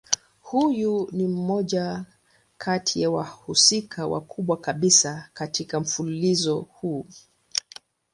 Huyu ni mmoja kati ya wahusika wakubwa kabisa katika mfululizo huu.